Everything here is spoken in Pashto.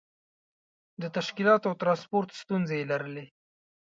د تشکیلاتو او ترانسپورت ستونزې یې لرلې.